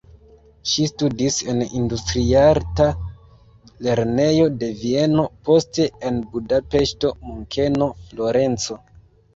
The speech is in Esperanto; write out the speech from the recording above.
Ŝi studis en industriarta lernejo de Vieno, poste en Budapeŝto, Munkeno, Florenco.